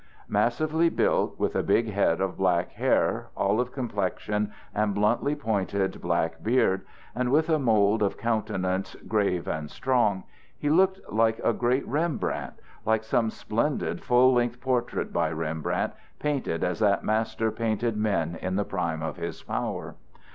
Massively built, with a big head of black hair, olive complexion, and bluntly pointed, black beard, and with a mold of countenance grave and strong, he looked like a great Rembrandt; like some splendid full length portrait by Rembrandt painted as that master painted men in the prime of his power.